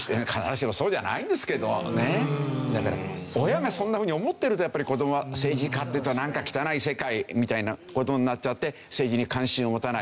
だから親がそんなふうに思ってるとやっぱり子どもは政治家っていうとなんか汚い世界みたいな事になっちゃって政治に関心を持たない。